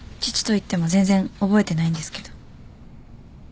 父といっても全然覚えてないんですけど。